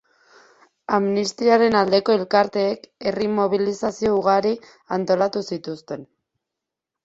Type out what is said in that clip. Amnistiaren Aldeko Elkarteek herri-mobilizazio ugari antolatu zituzten.